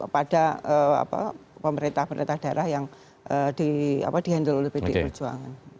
pada pemerintah pemerintah daerah yang di handle oleh pdi perjuangan